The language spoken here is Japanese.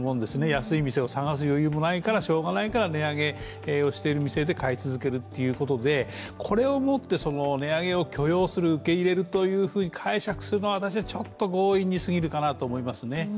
安い店を探す余裕がないから、しようがないから値上げをしている店で買い続けるっていうことでこれをもって、値上げを許容する、受け入れると解釈するのは私はちょっと強引にすぎるかなと思いますね。